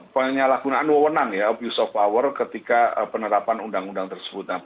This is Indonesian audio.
penyalahgunaan wawonan ya abuse of power ketika penerapan undang undang tersebut